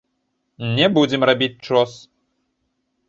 Не будзем рабіць чос!